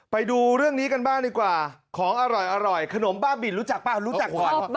ไปดูเรื่องนี้กันบ้างดีกว่าของอร่อยขนมบ้าบินรู้จักเปล่ารู้จักก่อน